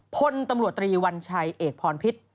พลตำรวจตรีวัญชัยเอกพรพิษ